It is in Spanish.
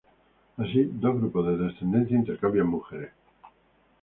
Así dos grupos de descendencia intercambian mujeres.